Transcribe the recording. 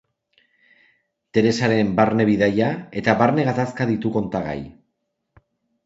Teresaren barne-bidaia eta barne-gatazka ditu kontagai.